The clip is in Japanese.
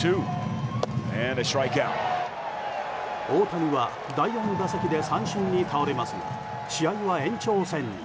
大谷は第４打席で三振に倒れますが試合は延長戦に。